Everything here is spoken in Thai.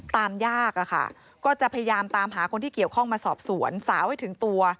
ยากอะค่ะก็จะพยายามตามหาคนที่เกี่ยวข้องมาสอบสวนสาวให้ถึงตัว